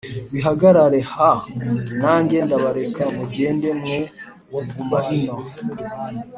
bihagarare h Nanjye ndabareka mugende mwe kuguma ino